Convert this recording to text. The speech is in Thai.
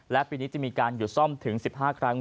และปีนี้จะมีการหยุดซ่อมถึง๑๕ครั้ง